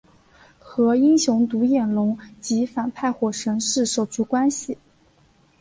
和英雄独眼龙及反派火神是手足关系。